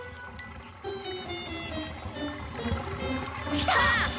来た！